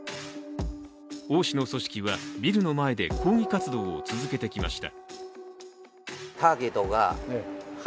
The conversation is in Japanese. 王氏の組織は、ビルの前で抗議活動を続けてきました。